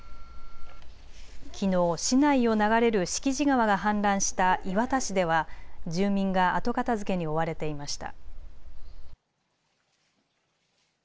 きのう市内を流れる敷地川が氾濫した磐田市では住民が後片づけに追われていました。